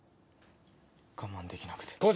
我慢できなくて。